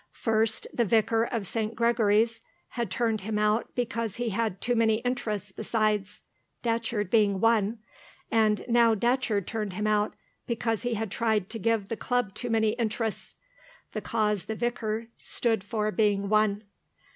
First the Vicar of St. Gregory's had turned him out because he had too many interests besides (Datcherd being one), and now Datcherd turned him out because he had tried to give the Club too many interests (the cause the vicar stood for being one).